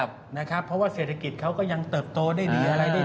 เพราะว่าเศรษฐกิจเขาก็ยังเติบโตได้ดี